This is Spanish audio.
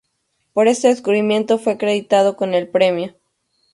Por este descubrimiento fue acreditado con el premio.